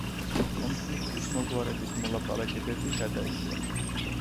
კონფლიქტის მოგვარების მოლაპარაკებები გადაიდო.